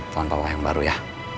tuan pawah yang baru ya